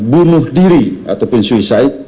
bunuh diri ataupun suicide